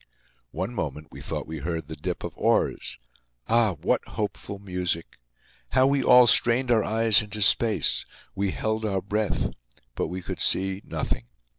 One moment we thought we heard the dip of oars. Ah! what hopeful music! How we all strained our eyes into space! We held our breath. But we could see nothing.